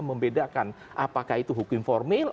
membedakan apakah itu hukum formil